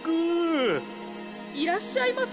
いらっしゃいませ。